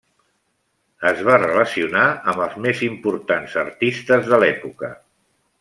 Es va relacionar amb els més importants artistes de l'època.